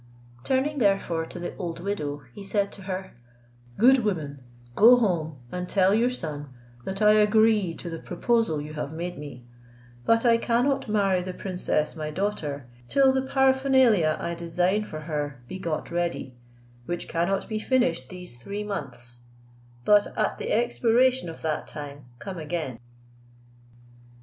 Turning therefore to the old widow, he said to her, "Good woman, go home, and tell your son that I agree to the proposal you have made me; but I cannot marry the princess my daughter, till the paraphernalia I design for her be got ready, which cannot be finished these three months; but at the expiration of that time come again."